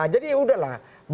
jadi ya udahlah